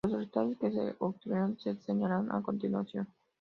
Los resultados que se obtuvieron se señalan a continuación.